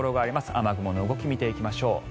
雨雲の動き見ていきましょう。